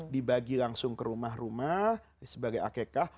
dibagi langsung ke rumah rumah sebagai akekah